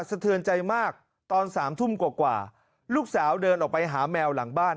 สะเทือนใจมากตอน๓ทุ่มกว่าลูกสาวเดินออกไปหาแมวหลังบ้าน